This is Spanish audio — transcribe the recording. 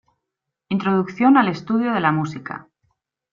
Introducción al estudio de la música.